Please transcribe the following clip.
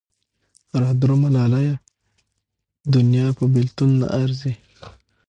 را درومه لالیه دونيا په بېلتون نه ارځي